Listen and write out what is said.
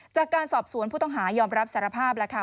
จากการสอบสวนผู้ต้องหายอมรับสารภาพแล้วค่ะ